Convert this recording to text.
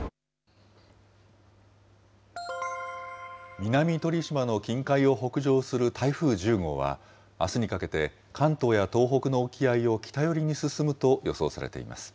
南鳥島の近海を北上する台風１０号は、あすにかけて関東や東北の沖合を北寄りに進むと予想されています。